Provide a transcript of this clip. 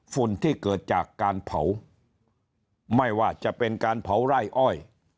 ฝุ่นที่เกิดจากการเผาไม่ว่าจะเป็นการเผาไร่อ้อย